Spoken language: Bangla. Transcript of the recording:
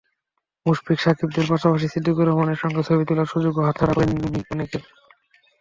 মুশফিক-সাকিবদের পাশাপাশি সিদ্দিকুর রহমানের সঙ্গে ছবি তোলার সুযোগও হাতছাড়া করেননি অনেকে।